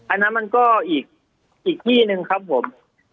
อันนั้นมันก็อีกที่หนึ่งครับผม